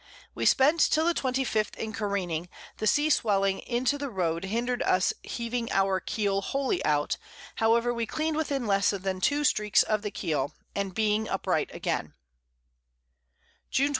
We spent till the 25th in careening; the Sea swelling into the Road hinder'd us heaving our Keel wholly out; however we clean'd within less than 2 Streaks of the Keel; and being upright again, _June 28.